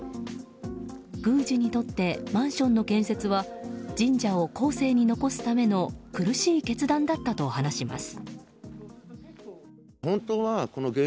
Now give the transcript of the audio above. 宮司にとってマンションの建設は神社を後世に残すための苦しい決断だったと話します。